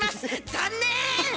残念！